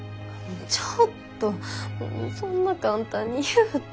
ちょっとそんな簡単に言うて。